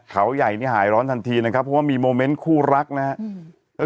เขาใหญ่นี่หายร้อนทันทีนะครับเพราะว่ามีโมเมนต์คู่รักนะครับ